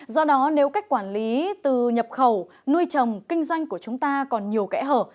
do đó nếu cách quản lý từ nhập khẩu nuôi trồng kinh doanh của chúng ta còn nhiều kẽ hở